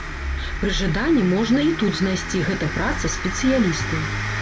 Пры жаданні можна і тут знайсці, гэта праца спецыялістаў.